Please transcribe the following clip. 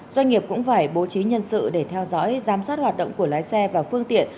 doanh nghiệp cũng phải bố trí nhân sự để theo dõi giám sát hoạt động của lái xe và phương tiện